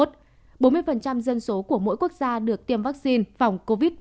bốn mươi dân số của mỗi quốc gia được tiêm vaccine phòng covid một mươi chín